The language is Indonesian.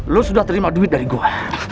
lo sudah terima duit dari gue